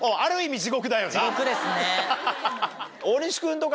地獄ですね。